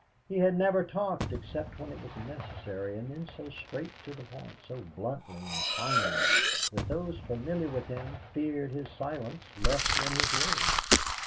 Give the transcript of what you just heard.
He had never talked except when it was necessary, and then so straight to the point, so bluntly and finally, that those familiar with him feared his silence less than his words.